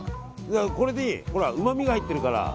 これにうまみが入ってるから。